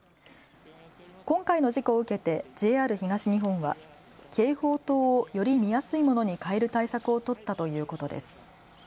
今回の事故を受けてＪＲ東日本は警報灯をより見やすいものに替える対策を取ったということです。